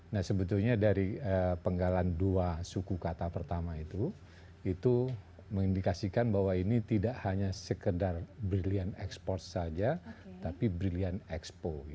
nah sebetulnya dari penggalan dua suku kata pertama itu itu mengindikasikan bahwa ini tidak hanya sekedar brilliant export saja tapi brilliant expo